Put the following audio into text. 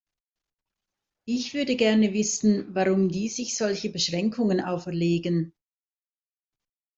Ich würde gerne wissen, warum die sich solche Beschränkungen auferlegen.